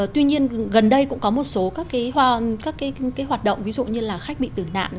tuy nhiên gần đây cũng có một số các hoạt động ví dụ như là khách bị tử nạn